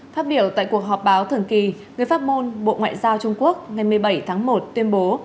phát biểu tại cuộc họp báo thường kỳ người phát ngôn bộ ngoại giao trung quốc ngày một mươi bảy tháng một tuyên bố